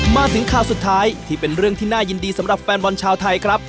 มาถึงข่าวสุดท้ายที่เป็นเรื่องที่น่ายินดีสำหรับแฟนบอลชาวไทยครับ